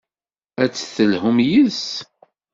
Ad d-telhumt yes-s.